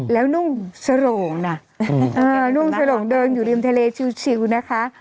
แล้วนุ่งสโหลงนะนุ่งสโหลงเดินอยู่ริมทะเลชิวนะคะ